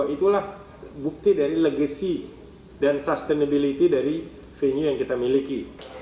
itulah bukti dari legacy dan sustainability dari venue yang kita miliki